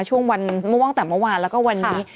ช่วงวันม่วงแต่เมื่อวานแล้วก็วันนี้